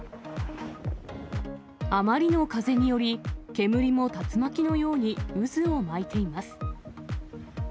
あまりの風により、煙も竜巻のように渦を巻いています。